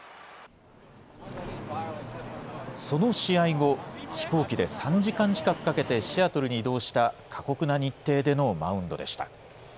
その試合後、飛行機で３時間近くかけてシアトルに移動した、過酷な日程でのマウンドでした。